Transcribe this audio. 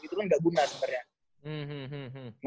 gitu kan gak guna sebenernya